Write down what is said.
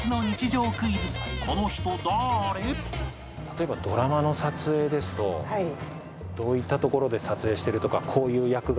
例えばドラマの撮影ですとどういった所で撮影してるとかこういう役柄が多いとか。